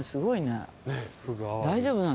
大丈夫なの？